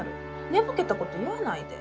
寝ぼけたこと言わないで。